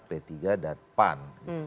p tiga dan pan